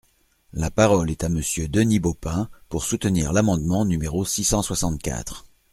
La parole est à Monsieur Denis Baupin, pour soutenir l’amendement numéro six cent soixante-quatre.